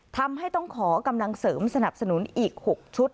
ทำให้ต้องขอกำลังเสริมสนับสนุนอีก๖ชุด